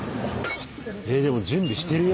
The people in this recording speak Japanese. えっでも準備してるよ